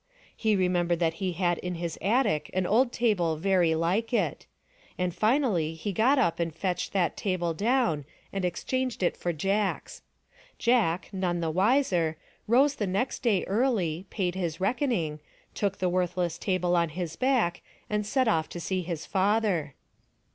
He remembered that he had in his attic an old table very like it, and finally he got up and fetched that table down and exchanged it for Jack's. Jack, none the wiser, rose the next day early, paid his reckoning, took the worthless table on his back and set off to see his father.